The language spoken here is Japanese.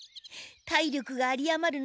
体力が有りあまる